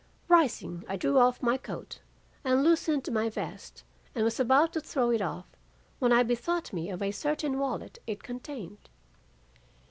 Rising, I drew off my coat, unloosened my vest and was about to throw it off, when I bethought me of a certain wallet it contained.